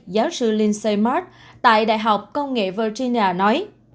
giáo sư lindsay marks tại đại học công nghệ virginia nói